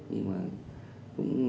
nhưng mà cũng